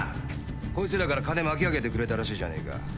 こいつらから金巻き上げてくれたらしいじゃねえか。